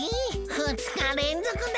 ふつかれんぞくだブヒ！